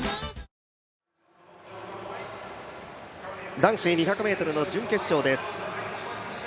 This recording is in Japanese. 男子２００ｍの準決勝です。